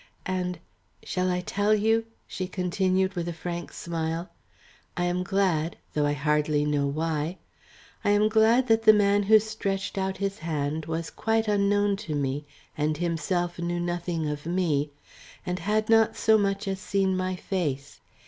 "And shall I tell you?" she continued with a frank smile. "I am glad, though I hardly know why I am glad that the man who stretched out his hand was quite unknown to me and himself knew nothing of me, and had not so much as seen my face.